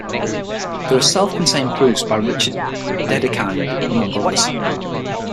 There are self-contained proofs by Richard Dedekind, among others.